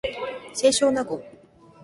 清少納言